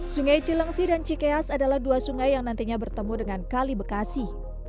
sungai cilengsi dan cikeas adalah dua sungai yang nantinya bertemu dengan kali bekasi